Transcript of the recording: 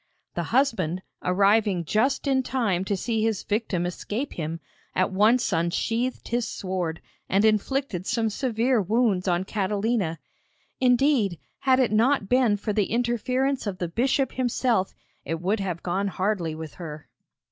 The husband, arriving just in time to see his victim escape him, at once unsheathed his sword, and inflicted some severe wounds on Catalina. Indeed, had it not been for the interference of the bishop himself, it would have gone hardly with her.